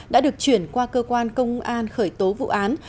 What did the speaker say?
đã được chuyển qua cơ quan công an khởi tố vụ án